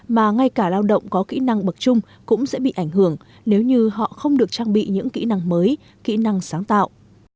mà ngay cả lao động có kỹ năng bậc chung cũng sẽ bị ảnh hưởng nếu như họ không được trang bị những kỹ năng mới kỹ năng sáng tạo